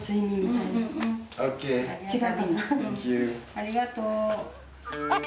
ありがとう。